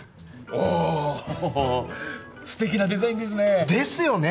おっ素敵なデザインですねですよね